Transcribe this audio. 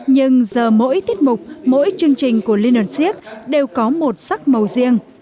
nhưng giờ mỗi tiết mục mỗi chương trình của liên đoàn siếc đều có một sắc màu riêng